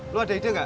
lo ada ide gak